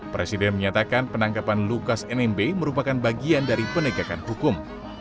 presiden menyatakan penangkapan lukas nmb merupakan bagian dari penegakan hukum